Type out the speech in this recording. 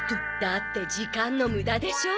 だって時間の無駄でしょ？